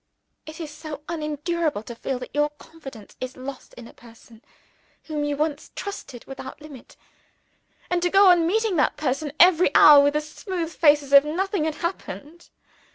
It is so unendurable to feel that your confidence is lost in a person whom you once trusted without limit, and to go on meeting that person every hour in the day with a smooth face, as if nothing had happened!